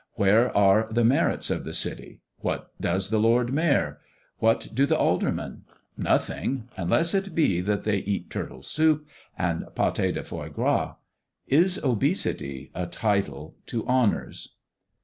Where are the merits of the City? What does the Lord Mayor? What do the Aldermen? Nothing unless it be that they eat turtle soup, and patés de foie gras? Is obesity a title to honours?